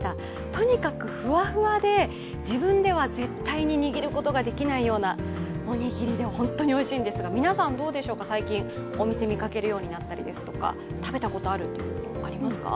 とにかくフワフワで、自分では絶対に握ることができないようなおにぎりで本当においしいんですが皆さん、どうでしょうか、最近、お店見かけるようになったりですとか、食べたことあるっていうところ、ありますか。